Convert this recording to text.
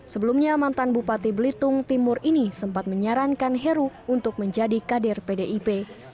sebelumnya mantan bupati belitung timur ini sempat menyarankan heru untuk menjadi kader pdip